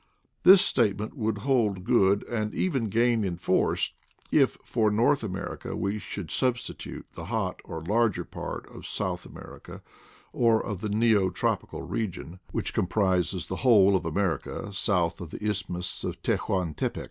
This statement would hold good, and even gain in force, if for North America we should substitute the hot or larger part of South America, or of the Neotropical region, which com prises the whole of America south of the Isthmus of Tehuantepec.